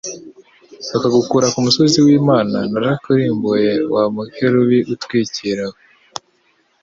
ukagukura ku musozi w'Imana, narakurimbuye wa mukerubi utwikira we,